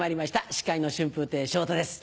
司会の春風亭昇太です。